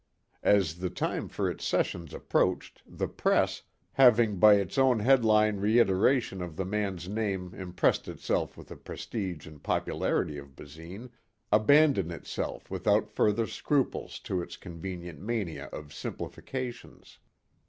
As the time for its sessions approached, the press, having by its own headline reiteration of the man's name impressed itself with the prestige and popularity of Basine, abandoned itself without further scruples to its convenient mania of simplifications.